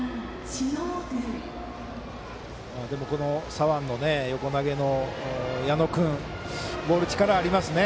左腕の横投げの矢野君ボールに力がありますね。